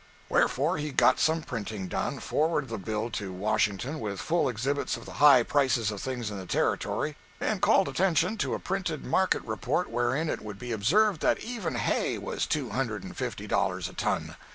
Wherefore he got some printing done, forwarded the bill to Washington with full exhibits of the high prices of things in the Territory, and called attention to a printed market report wherein it would be observed that even hay was two hundred and fifty dollars a ton.